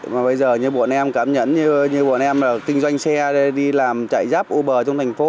mà bây giờ như bọn em cảm nhận như bọn em tinh doanh xe đi làm chạy giáp uber trong thành phố